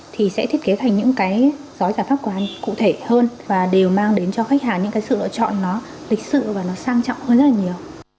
thì sẽ thiết kế thành những cái gói giải pháp cụ thể hơn và đều mang đến cho khách hàng những cái sự lựa chọn nó lịch sự và nó sang trọng hơn rất là nhiều